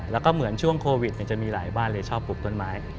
แล้วก็เหมือนช่วงโควิดจะมีหลายบ้านเลยชอบปลูกต้นไม้